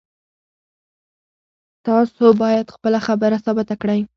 تاسو باید خپله خبره ثابته کړئ